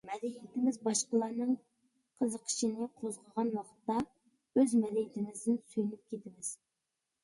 مەدەنىيىتىمىز باشقىلارنىڭ قىزىقىشىنى قوزغىغان ۋاقىتتا ئۆز مەدەنىيىتىمىزدىن سۆيۈنۈپ كېتىمىز.